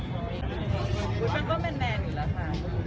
แม่กับผู้วิทยาลัย